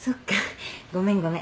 ごめんごめん。